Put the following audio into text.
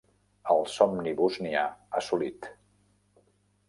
El somni bosnià assolit.